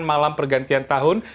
malam pergantian tahun